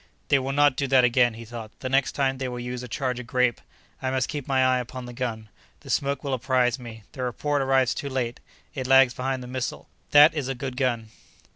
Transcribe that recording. "They will not do that again," he thought; "the next time they will use a charge of grape. I must keep my eye upon the gun; the smoke will apprise me—the report arrives too late; it lags behind the missile. That is a good gun."